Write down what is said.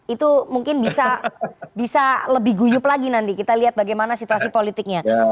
itu mungkin bisa lebih guyup lagi nanti kita lihat bagaimana situasi politiknya